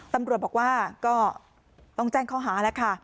ตำรวจบอกว่าก็ต้องแจ้งข้อหาแล้วค่ะ